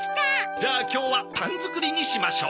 じゃあ今日はパン作りにしましょう。